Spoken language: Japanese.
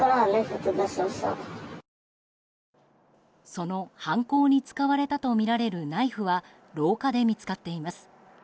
その犯行に使われたとみられるナイフは廊下で見つかっています。